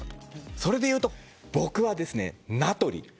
それでいうと僕はなとり。